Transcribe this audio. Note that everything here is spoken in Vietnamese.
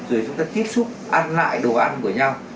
rồi chúng ta tiếp xúc ăn lại đồ ăn của nhau